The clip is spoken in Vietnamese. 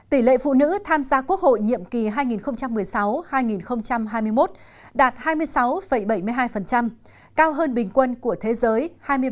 tỷ lệ phụ nữ tham gia quốc hội nhiệm kỳ hai nghìn một mươi sáu hai nghìn hai mươi một đạt hai mươi sáu bảy mươi hai cao hơn bình quân của thế giới hai mươi ba